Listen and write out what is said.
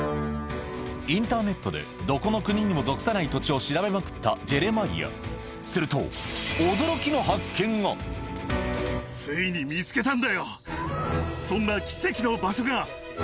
インターネットでどこの国にも属さない土地を調べまくったジェレマイアするとついに見つけたんだよ。